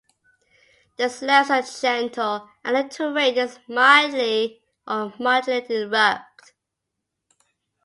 The slopes are gentle and the terrain is mildly or moderately rugged.